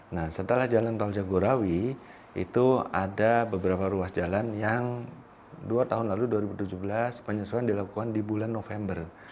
nah setelah jalan tol jagorawi itu ada beberapa ruas jalan yang dua tahun lalu dua ribu tujuh belas penyesuaian dilakukan di bulan november